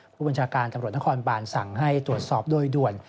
ผู้บัญชาการตำรวจนครบานสั่งให้ตรวจสอบโดยด่วน